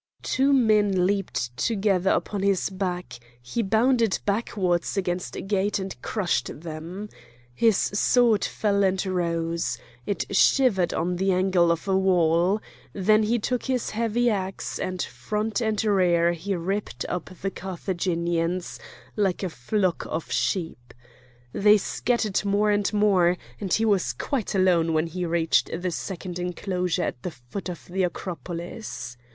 Two men leaped together upon his back; he bounded backwards against a gate and crushed them. His sword fell and rose. It shivered on the angle of a wall. Then he took his heavy axe, and front and rear he ripped up the Carthaginians like a flock of sheep. They scattered more and more, and he was quite alone when he reached the second enclosure at the foot of the Acropolis.